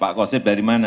pak khosyif dari mana